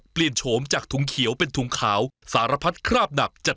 ป้าเจ้าขอเซ็กอย่างที่สุดเปล่า